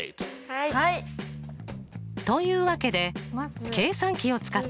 はい！というわけで計算機を使って計算します。